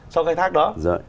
sau khai thác đó